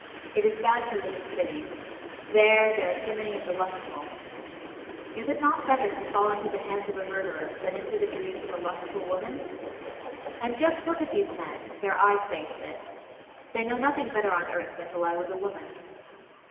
It is bad to live in cities: there, there are too many of the lustful. Is it not better to fall into the hands of a murderer, than into the dreams of a lustful woman? And just look at these men: their eye saith it they know nothing better on earth than to lie with a woman.